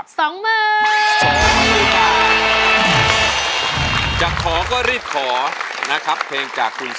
ทุกคนต้องดังดู